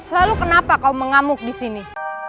lalu kenapa kau mengamuk disini